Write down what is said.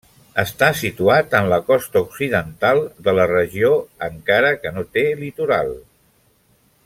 Està situat en la costa occidental de la regió encara que no té litoral.